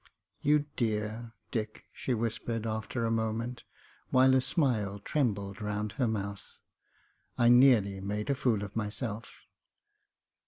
"You dear, Dick," she whispered, after a moment, while a smile trembled round her mouth. "I nearly made a fool of myself."